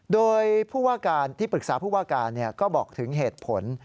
โดยปรึกษาผู้ว่าการก็บอกถึงเหตุผล